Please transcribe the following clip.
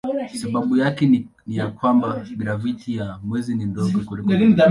Sababu yake ni ya kwamba graviti ya mwezi ni ndogo kuliko duniani.